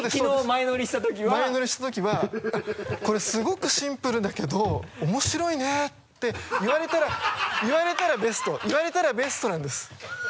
前乗りしたときは「これすごくシンプルだけど面白いね」って言われたらベスト言われたらベストなんです。